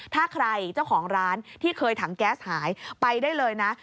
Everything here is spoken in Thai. ถ้าใครเจ้าของร้านที่เคยถังแก๊สหายไปได้เลยนะ